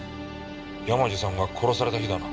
山路さんが殺された日だな。